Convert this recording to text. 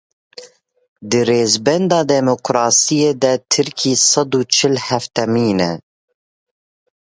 Di rêzbenda demokrasiyê de Tirkiye sed û çil heftemîn e.